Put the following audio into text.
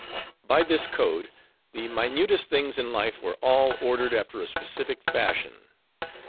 By this code, the minutest things in life were all ordered after a specific fashion.